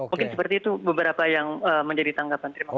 mungkin seperti itu beberapa yang menjadi tanggapan terima kasih